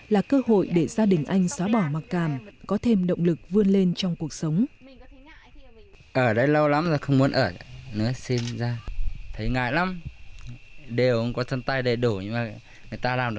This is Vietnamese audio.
là cơ hội để gia đình anh xóa bỏ mặc cảm có thêm động lực vươn lên trong cuộc sống